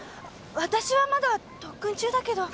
私はまだ特訓中だけど。